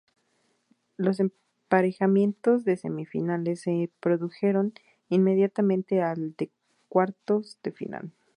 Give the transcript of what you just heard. Los emparejamientos de semifinales se produjeron inmediatamente al de cuartos de final.